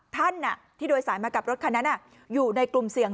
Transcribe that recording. ท่านที่โดยสารมากับรถคันนั้นอยู่ในกลุ่มเสี่ยง